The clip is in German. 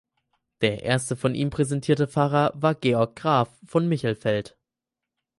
Der erste von ihm präsentierte Pfarrer war Georg Graf von Michelfeld.